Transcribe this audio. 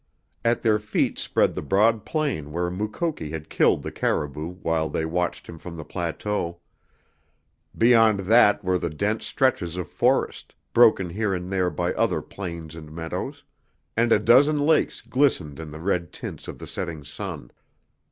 At their feet spread the broad plain where Mukoki had killed the caribou while they watched him from the plateau; beyond that were the dense stretches of forest, broken here and there by other plains and meadows, and a dozen lakes glistened in the red tints of the setting sun.